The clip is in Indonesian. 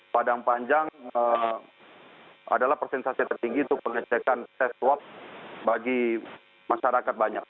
padang panjang adalah persentase tertinggi untuk pengecekan tes swab bagi masyarakat banyak